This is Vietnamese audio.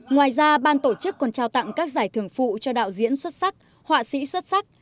ngoài ra ban tổ chức còn trao tặng các giải thưởng phụ cho đạo diễn xuất sắc họa sĩ xuất sắc